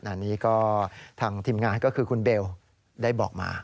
อันนี้ก็ทางทีมงานก็คือคุณเบลได้บอกมา